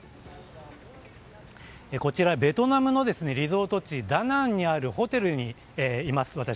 こちらベトナムのリゾート地ダナンにあるホテルに私はいます。